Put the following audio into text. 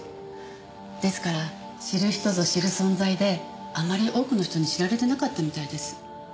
ですから知る人ぞ知る存在であまり多くの人に知られてなかったみたいです。